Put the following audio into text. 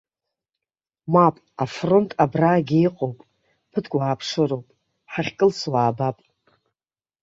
Мап, афронт абраагьы иҟоуп, ԥыҭк уааԥшыроуп, ҳахькылсуа аабап.